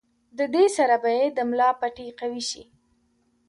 د دې سره به ئې د ملا پټې قوي شي